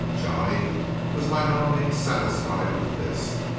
Johnny was by no means satisfied with this.